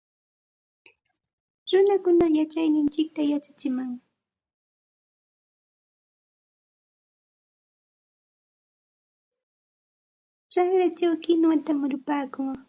Raqrachaw kinwata murupaakuu.